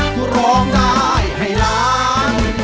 ทราบ